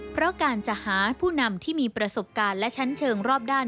เพราะการจะหาผู้นำที่มีประสบการณ์และชั้นเชิงรอบด้าน